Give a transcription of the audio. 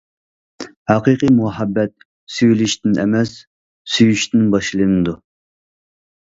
ھەقىقىي مۇھەببەت سۆيۈلۈشتىن ئەمەس، سۆيۈشتىن باشلىنىدۇ.